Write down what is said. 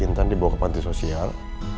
intan dibawa ke panti sosial